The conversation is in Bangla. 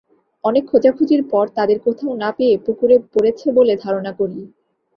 অনেক খোঁজাখুঁজির পর তাদের কোথাও না পেয়ে পুকুরে পড়েছে বলে ধারণা করি।